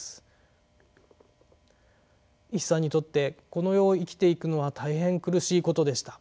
一茶にとってこの世を生きていくのは大変苦しいことでした。